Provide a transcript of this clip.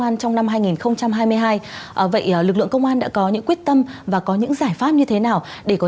an trong năm hai nghìn hai mươi hai vậy lực lượng công an đã có những quyết tâm và có những giải pháp như thế nào để có